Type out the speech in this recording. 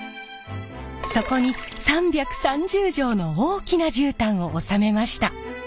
そこに３３０畳の大きな絨毯を納めました。